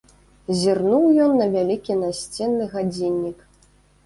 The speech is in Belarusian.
Зірнуў ён на вялікі насценны гадзіннік.